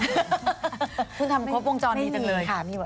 ก็ร่วมทำครอบกลางปงจรนี่แต่เลย